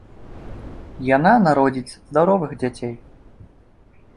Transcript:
Яна народзіць здаровых дзяцей.